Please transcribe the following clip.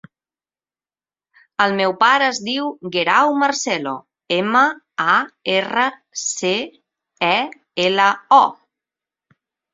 El meu pare es diu Guerau Marcelo: ema, a, erra, ce, e, ela, o.